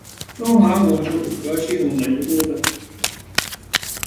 中轴骨是骨骼系统的一部分。